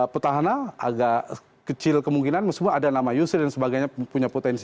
petahana agak kecil kemungkinan semua ada nama yusril dan sebagainya punya potensi